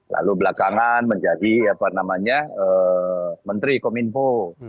lalu belakangan menjadi menteri kominfo